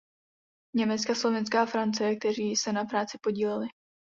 Německa, Slovinska a Francie, kteří se na práci podíleli.